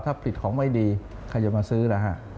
ถ้าปิดของไม่ดีใครจะมาซื้อล่ะฮะ